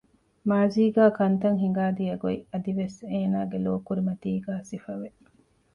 މާޒީގައި ކަންތައް ހިނގާ ދިޔަ ގޮތް އަދިވެސް އޭނާގެ ލޯ ކުރިމަތީގައި ސިފަވެ